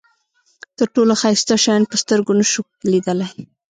تر ټولو ښایسته شیان په سترګو نشو لیدلای.